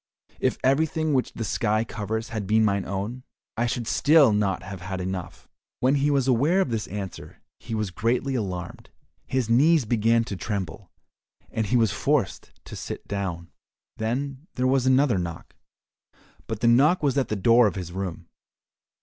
If everything which the sky covers had been mine own, I should still not have had enough." When he was aware of this answer he was greatly alarmed, his knees began to tremble, and he was forced to sit down. Then there was another knock, but the knock was at the door of his room.